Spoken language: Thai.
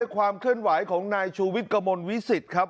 ความเคลื่อนไหวของนายชูวิทย์กระมวลวิสิตครับ